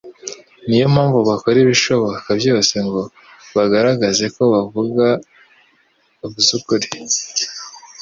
niyo mpamvu bakora ibishoboka byose ngo bagaragaze ko bavuze ukuri